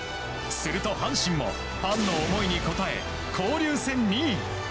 すると、阪神もファンの思いに応え、交流戦２位。